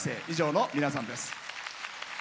以上の皆さんです。